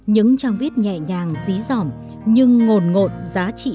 những trang viết nhẹ nhàng dí dỏm nhưng ngồn ngộn giá trị